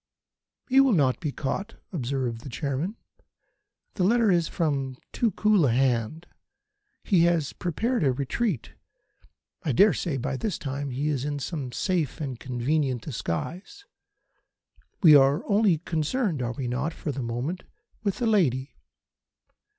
"He will not be caught," observed the Chairman. "The letter is from too cool a hand. He has prepared a retreat. I dare say by this time he is in some safe and convenient disguise. We are only concerned are we not? for the moment with the lady.